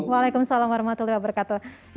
waalaikumsalam warahmatullahi wabarakatuh